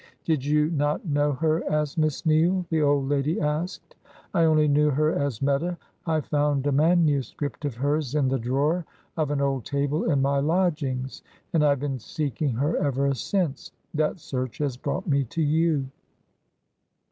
"Did you not know her as Miss Neale?" the old lady asked. "I only knew her as Meta. I found a manuscript of hers in the drawer of an old table in my lodgings, and I have been seeking her ever since. That search has brought me to you."